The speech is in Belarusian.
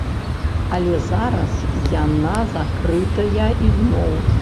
Але зараз яна закрытая ізноў.